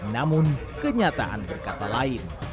namun kenyataan berkata lain